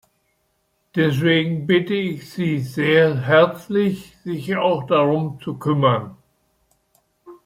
Deswegen bitte ich Sie sehr herzlich, sich auch darum zu kümmern.